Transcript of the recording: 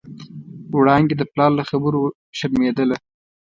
وړانګې د پلار له خبرو شرمېدله.